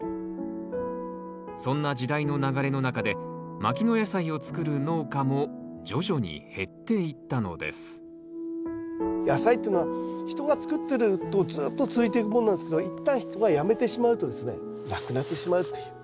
そんな時代の流れの中で牧野野菜を作る農家も徐々に減っていったのです野菜ってのは人が作ってるとずっと続いていくものなんですけど一旦人がやめてしまうとですねなくなってしまうという。